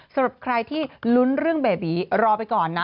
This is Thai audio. สำหรับใครที่ลุ้นเรื่องเบบีรอไปก่อนนะ